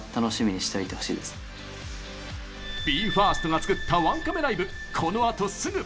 ＢＥ：ＦＩＲＳＴが作ったワンカメライブ、このあとすぐ！